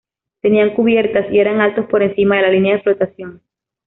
Tenían cubiertas y eran altos por encima de la línea de flotación.